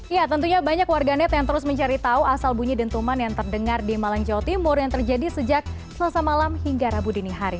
ya tentunya banyak warganet yang terus mencari tahu asal bunyi dentuman yang terdengar di malang jawa timur yang terjadi sejak selasa malam hingga rabu dini hari